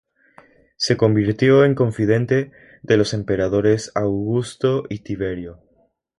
Se convirtió en confidente de los emperadores Augusto y Tiberio.